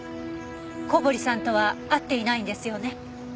小堀さんとは会っていないんですよね？